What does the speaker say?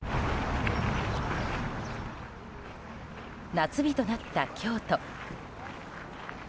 夏日となった京都。